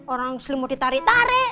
orang selimut ditarik tarik